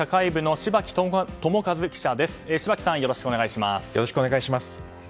柴木さん、よろしくお願いします。